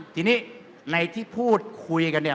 ทีนี้ในที่พูดคุยกันเนี่ย